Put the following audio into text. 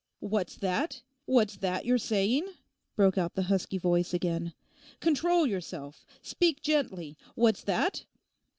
'What's that? What's that you're saying?' broke out the husky voice again. 'Control yourself! Speak gently! What's that?